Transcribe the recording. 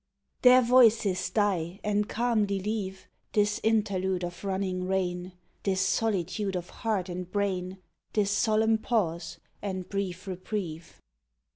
THEIR voices die and calmly leave This interlude of running rain, This solitude of heart and brain, This solemn pause and brief reprieve.